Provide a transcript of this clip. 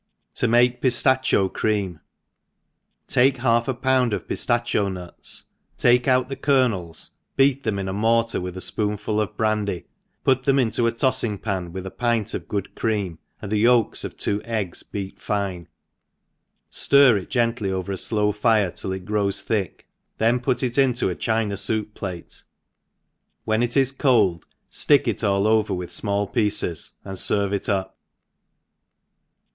5r# make Pistacho Ckeam* TAKE half a pound of piftacho nuts, tak9 out the kernels, beat them in a mortar with a fpoonful of brandy, put them into a toiling pan, with a pint of good cream, and the yolks of two eggs beat fine, ftir it gently over a very flow fire till it grows thick, then put it into a china foup plate, when it grows cold ilick it gll over witO fmall pieces and ferve i( up.